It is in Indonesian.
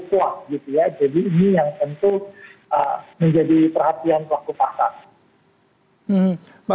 jadi ini yang tentu menjadi perhatian waktu pasar